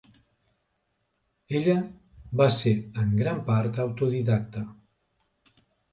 Ella va ser en gran part autodidacta.